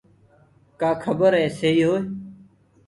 ڪآ کبر ايسيئيٚ هوئي